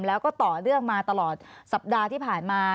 แล้วก็ต่อเนื่องมาตลอดสัปดาห์ที่ผ่านมา